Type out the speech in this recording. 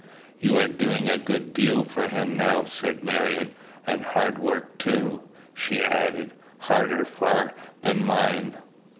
"You are doing a good deal for him now," said Marion, "and hard work too!" she added; "harder far than mine."